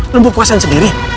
lu buka puasan sendiri